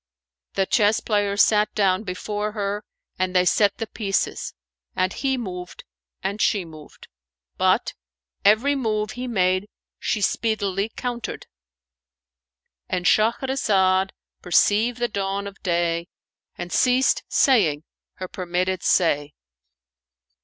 The chess player sat down before her, and they set the pieces, and he moved and she moved; but, every move he made she speedily countered,—And Shahrazad perceived the dawn of day and ceased saying her permitted say.